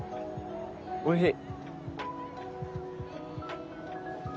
おいしい。